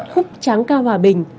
khúc tráng cao hòa bình